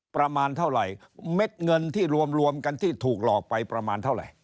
ประมาณเท่าไหร่เม็ดเงินที่รวมรวมกันที่ถูกหลอกไปประมาณเท่าไหร่